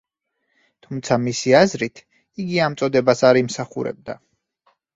თუმცა, მისი აზრით, იგი ამ წოდებას არ იმსახურებდა.